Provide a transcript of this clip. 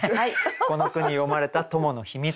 この句に詠まれたトモの秘密